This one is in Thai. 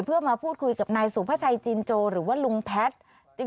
เพื่อมาพูดคุยกับนายสุภาชัยจินโจหรือว่าลุงแพทย์